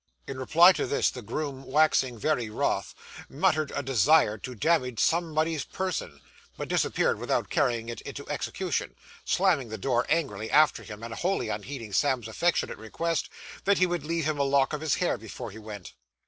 In reply to this, the groom waxing very wroth, muttered a desire to damage somebody's person; but disappeared without carrying it into execution, slamming the door angrily after him, and wholly unheeding Sam's affectionate request, that he would leave him a lock of his hair before he went.